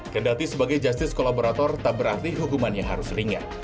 kendati sebagai justice kolaborator tak berarti hukumannya harus ringan